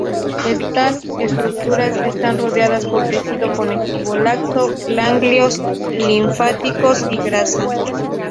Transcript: Estas estructuras están rodeadas por tejido conectivo laxo, ganglios linfáticos y grasa.